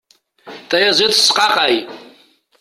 Tayaziḍt tesqaqay.